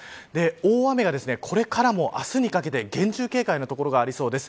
大雨がこれからも明日にかけて厳重警戒の所がありそうです。